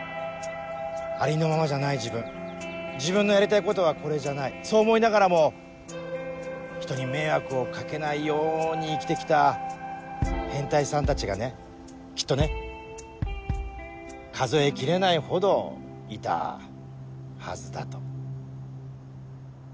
ありのままじゃない自分自分のやりたいことはこれじゃないそう思いながらもひとに迷惑を掛けないように生きて来た変態さんたちがねきっとね数え切れないほどいたはずだと。